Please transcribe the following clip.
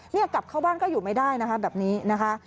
เรื่องกลับเข้าบ้านดูตาไม่ไม่ได้นะคะแบบนี้นะคะ